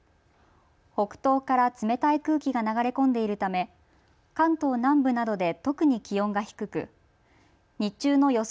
北東から冷たい空気が流れ込んでいるため関東南部などで特に気温が低く日中の予想